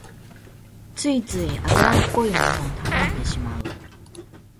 ついつい油っこいものを頼んでしまう